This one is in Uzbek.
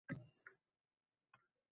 Lek, rahmat, deb